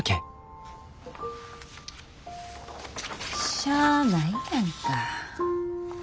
しゃあないやんか。